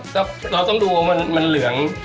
แล้วเราต้องดูว่ามันเหลือง